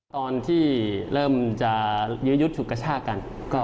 ตอนที่เริ่มจะยื้อยุดฉุดกระชากัน